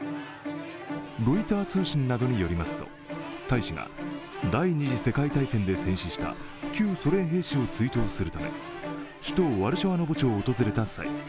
ロイター通信などによりますと大使が第二次世界大戦で戦死した旧ソ連兵士を追悼するため、首都ワルシャワの墓地を訪れた際